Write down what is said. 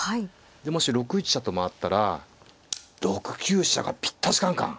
でもし６一飛車と回ったら６九飛車が「ぴったしカン・カン」。